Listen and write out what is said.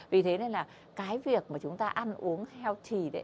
vì thế nên là cái việc mà chúng ta ăn uống healthy đấy